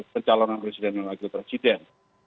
pencalonan presiden dan wakil presiden